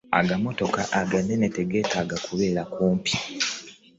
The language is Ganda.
Agamotoka aganene tegeetaaga kubeera kumpi.